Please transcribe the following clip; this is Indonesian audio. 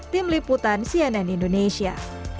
tim liputan cnn indonesia